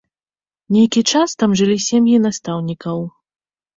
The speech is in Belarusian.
Нейкі час там жылі сем'і настаўнікаў.